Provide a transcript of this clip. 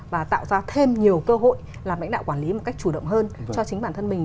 và tạo ra thêm nhiều cơ hội làm lãnh đạo quản lý một cách chủ động hơn cho chính bản thân mình